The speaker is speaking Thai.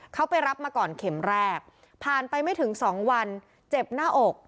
เขาไปรับมาก่อนเข็มแรกผ่านไปไม่ถึงสองวันเจ็บหน้าอก